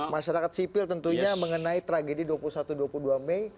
masyarakat sipil tentunya mengenai tragedi dua puluh satu dua puluh dua mei